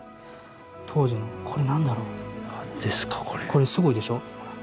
これすごいでしょ？